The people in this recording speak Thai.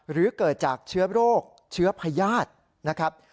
หรือเกิดจากเชื้อโรคเชื้อพญาตินะครับ